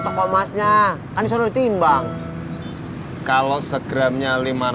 oh yaudah deh makasih ya